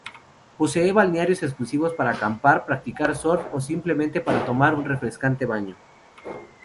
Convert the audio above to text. Posee balnearios exclusivos para acampar, practicar surf o simplemente para tomar un refrescante baño.